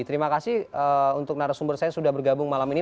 terima kasih untuk narasumber saya sudah bergabung malam ini